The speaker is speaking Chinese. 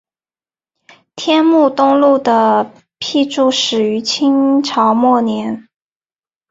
天目东路的辟筑始于清朝末年。